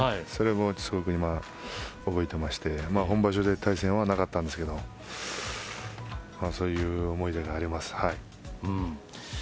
それを覚えていまして本場所で対戦はなかったんですがそういう思い出があります。